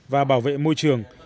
và bảo vệ môi trường